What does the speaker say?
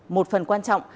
một phần quan trọng